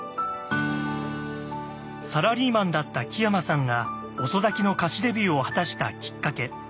サラリーマンだった木山さんが遅咲きの歌手デビューを果たしたきっかけ。